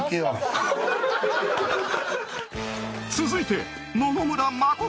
続いて、野々村真。